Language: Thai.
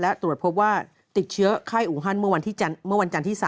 และตรวจพบว่าติดเชื้อไข้อูฮันเมื่อวันจันทร์ที่๓